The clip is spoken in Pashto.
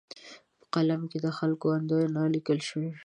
په قلم د خلکو اندونه لیکل کېږي.